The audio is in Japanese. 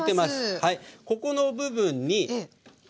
ここの部分に。